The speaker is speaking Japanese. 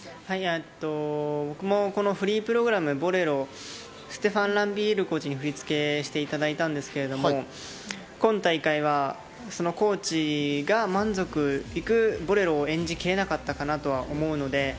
僕もフリープログラムの『ボレロ』、ステファン・ランビエールコーチに振付していただいたんですけど、今大会はそのコーチが満足いくような『ボレロ』を演じきれなかったかなと思うので。